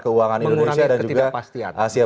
keuangan indonesia dan juga mengurangi ketidakpastian